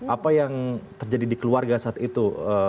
apa yang terjadi di keluarga saat itu